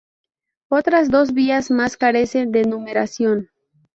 Otras dos vías más carecen de numeración.